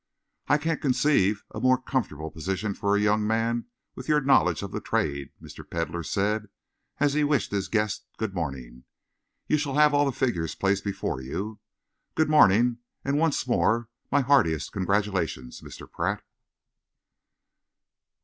"I can't conceive a more comfortable position for a young man with your knowledge of the trade," Mr. Pedlar said, as he wished his guest good morning. "You shall have all the figures placed before you. Good morning, and once more my heartiest congratulations, Mr. Pratt."